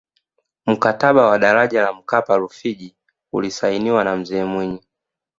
mkataba wa daraja la mkapa rufiji ulisainiwa na mzee mwinyi